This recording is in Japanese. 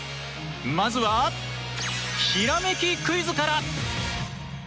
まずはひらめきクイズから！